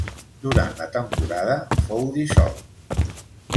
Durant la temporada fou dissolt.